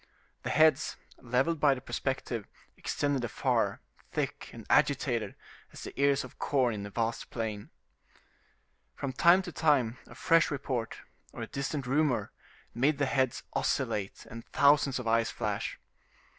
The heads, leveled by the perspective, extended afar, thick and agitated as the ears of corn in a vast plain. From time to time a fresh report, or a distant rumor, made the heads oscillate and thousands of eyes flash.